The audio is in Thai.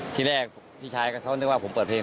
ที่แรกพี่ชายเขานึกว่าผมเปิดเพลง